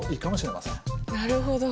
なるほど。